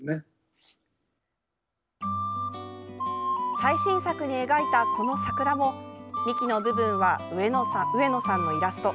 最新作に描いたこの桜も幹の部分は上野さんのイラスト。